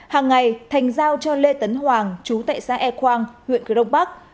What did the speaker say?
hàng ngày thành giao cho lê tấn hoàng chú tệ xã e quang huyện cửa đông bắc